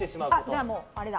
じゃあもうあれだ。